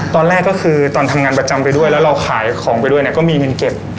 ตอนแรกก็คือตอนทำงานประจำไปด้วยแล้วเราขายของไปด้วยเนี่ยก็มีเงินเก็บ